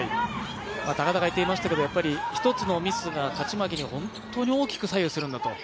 高田が言ってましたけど一つのミスが勝ち負けに本当に大きく左右するんだと。